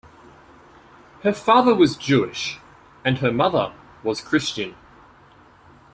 Her father was Jewish and her mother was Christian.